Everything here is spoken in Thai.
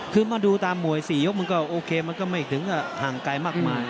คือมาดูตามมวย๔ยกมันก็โอเคมันก็ไม่ถึงก็ห่างไกลมากมาย